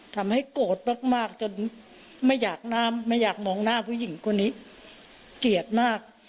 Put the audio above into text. ทำให้โกรธมากจนไม่อยากน้ำไม่อยากมองหน้าผู้หญิงคนนี้เกลียดมาก